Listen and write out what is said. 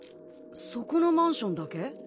そこのマンションだけ？